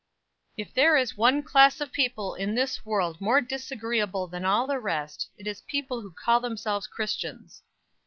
"If there is one class of people in this world more disagreeable than all the rest, it is people who call themselves Christians."